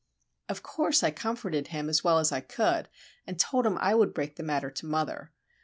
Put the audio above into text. Of course I comforted him as well as I could, and told him I would break the matter to mother.